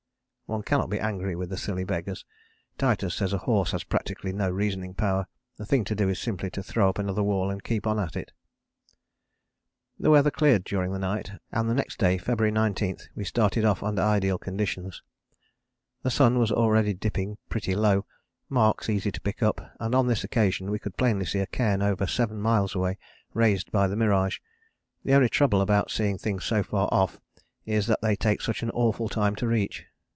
One cannot be angry with the silly beggars Titus says a horse has practically no reasoning power, the thing to do is simply to throw up another wall and keep on at it. The weather cleared during the night, and the next day, February 19, we started off under ideal conditions, the sun was already dipping pretty low, marks easy to pick up, and on this occasion we could plainly see a cairn over seven miles away, raised by the mirage; the only trouble about seeing things so far off is that they take such an awful time to reach.